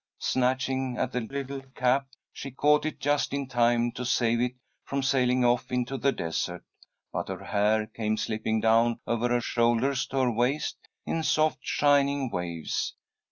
Snatching at the little cap, she caught it just in time to save it from sailing off into the desert, but her hair came slipping down over her shoulders to her waist, in soft, shining waves.